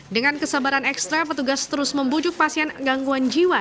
dengan kesabaran ekstra petugas terus membujuk pasien gangguan jiwa